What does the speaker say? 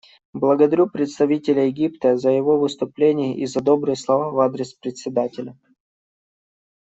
Благодарю представителя Египта за его выступление и за добрые слова в адрес Председателя.